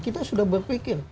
kita sudah berpikir